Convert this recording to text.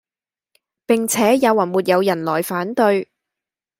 並且也還沒有人來反對，